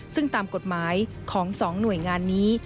ซึ่งตามกฎหมายของ๒หน่วยงานนี้